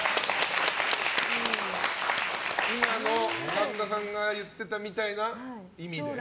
神田さんが言ってたみたいな意味で？